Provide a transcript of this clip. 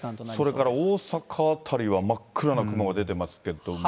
それから大阪辺りは真っ暗な雲が出ていますけれども。